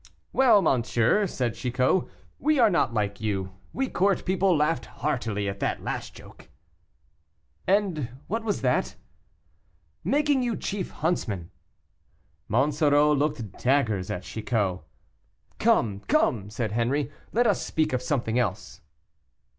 "Well, monsieur," said Chicot, "we are not like you, we court people laughed heartily at the last joke." "And what was that?" "Making you chief huntsman." Monsoreau looked daggers at Chicot. "Come, come," said Henri, "let us speak of something else."